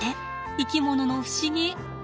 生き物の不思議。